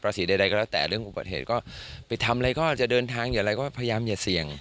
สีใดก็แล้วแต่เรื่องอุบัติเหตุก็ไปทำอะไรก็จะเดินทางอย่าอะไรก็พยายามอย่าเสี่ยง